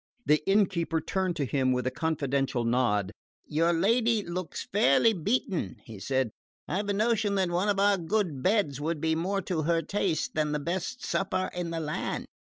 The innkeeper turned to him with a confidential nod. "Your lady looks fairly beaten," he said. "I've a notion that one of my good beds would be more to her taste than the best supper in the land.